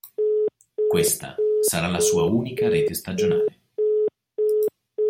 Questa sarà la sua unica rete stagionale.